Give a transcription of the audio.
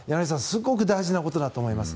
すごく大事なことだと思います。